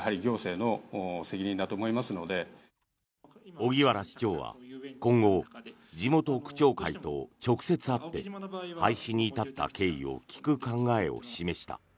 荻原市長は今後、地元区長会と直接会って廃止に至った経緯を聞く考えを示した。